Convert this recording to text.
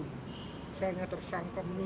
misalnya tersangka memiliki